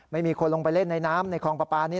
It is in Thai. ไม่มีคนลงไปเล่นในน้ำในคลองปลาปลานี้